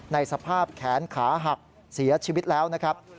ในสภาพแขนขาหักเสียชีวิตแล้วนะครับ